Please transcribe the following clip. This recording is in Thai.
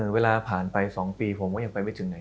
เวลาผ่านไป๒ปีผมก็ยังไปไม่ถึงไหน